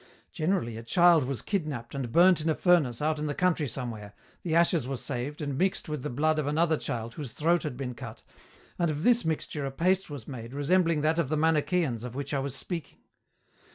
Generally a child was kidnapped and burnt in a furnace out in the country somewhere, the ashes were saved and mixed with the blood of another child whose throat had been cut, and of this mixture a paste was made resembling that of the Manicheans of which I was speaking.